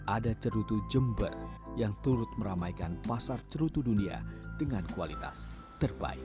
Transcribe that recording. ada cerutu jember yang turut meramaikan pasar cerutu dunia dengan kualitas terbaik